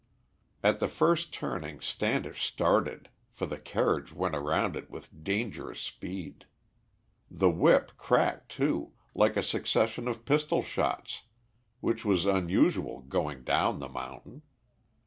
At the first turning Standish started, for the carriage went around it with dangerous speed. The whip cracked, too, like a succession of pistol shots, which was unusual going down the mountain.